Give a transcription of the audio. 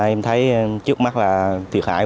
em thấy trước mắt là thiệt hại